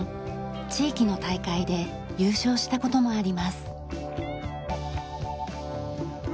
地域の大会で優勝した事もあります。